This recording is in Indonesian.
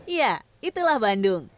ya itulah bandung